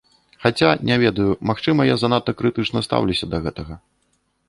Хаця, не ведаю, магчыма, я занадта крытычна стаўлюся да гэтага.